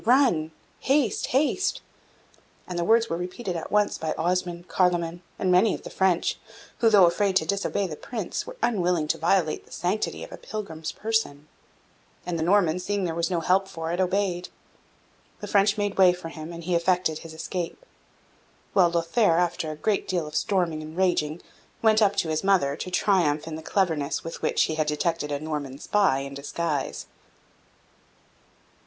run! haste, haste!" and the words were repeated at once by Osmond, Carloman, and many of the French, who, though afraid to disobey the Prince, were unwilling to violate the sanctity of a pilgrim's person; and the Norman, seeing there was no help for it, obeyed: the French made way for him and he effected his escape; while Lothaire, after a great deal of storming and raging, went up to his mother to triumph in the cleverness with which he had detected a Norman spy in disguise.